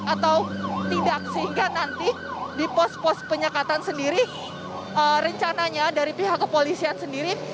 atau tidak sehingga nanti di pos pos penyekatan sendiri rencananya dari pihak kepolisian sendiri